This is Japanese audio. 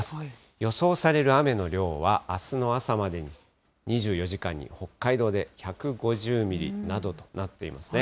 予想される雨の量は、あすの朝までに２４時間に北海道で１５０ミリなどとなっていますね。